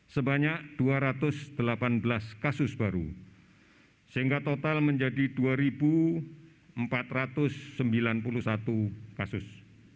sebanyak dua ratus delapan belas kasus baru sehingga total menjadi dua empat ratus sembilan puluh satu kasus